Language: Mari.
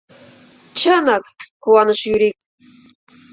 — Чынак! — куаныш Юрик.